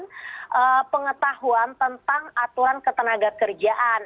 jadi kita harus berdasarkan pengetahuan tentang aturan ketengahga kerjaan